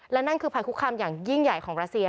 และนั่นคือภัยคุกคำอย่างยิ่งใหญ่ของรัสเซีย